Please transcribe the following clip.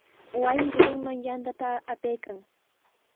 Wasi rurinman yantata apaykan.